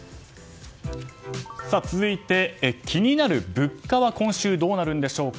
続いて、気になる物価は今週どうなるんでしょうか。